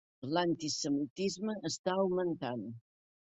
L'antisemitisme està augmentant.